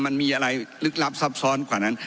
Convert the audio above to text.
มันมีอะไรลึกลับซับซ้อนกว่านั้น